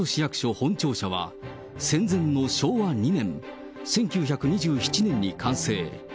本庁舎は、戦前の昭和２年・１９２７年に完成。